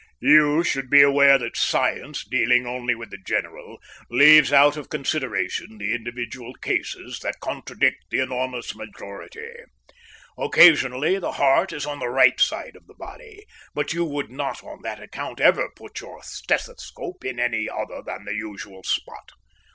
"You should be aware that science, dealing only with the general, leaves out of consideration the individual cases that contradict the enormous majority. Occasionally the heart is on the right side of the body, but you would not on that account ever put your stethoscope in any other than the usual spot.